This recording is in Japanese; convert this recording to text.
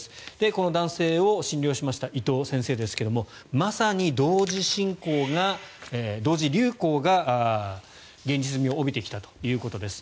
この男性を診療しました伊藤先生ですがまさに同時流行が現実味を帯びてきたということです。